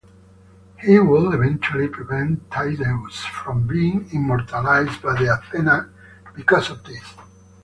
He would eventually prevent Tydeus from being immortalized by Athena because of this.